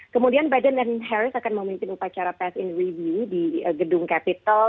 kemudian biden dan harris akan memimpin upacara pes in review di gedung kapitel